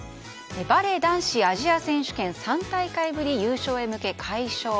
バレー男子アジア選手権３大会ぶり優勝に向け快勝。